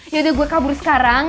yaudah gue kabur sekarang